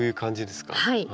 はい。